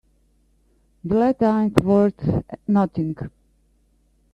The letter ain't worth nothing.